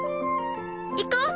行こう！